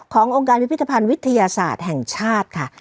องค์การพิพิธภัณฑ์วิทยาศาสตร์แห่งชาติค่ะ